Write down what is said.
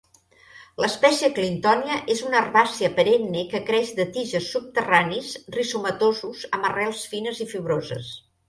L'espècie "Clintonia" és una herbàcia perenne que creix de tiges subterranis rizomatosos amb arrels fines i fibroses.